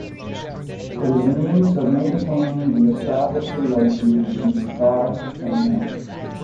It is a means of maintaining the established relation between gods and men.